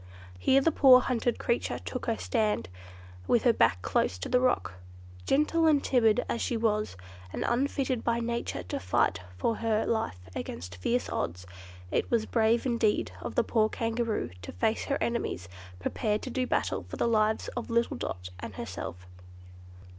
Here the poor hunted creature took her stand, with her back close to the rock. Gentle and timid as she was, and unfitted by nature to fight for her life against fierce odds, it was brave indeed of the poor Kangaroo to face her enemies, prepared to do battle for the lives of little Dot and herself.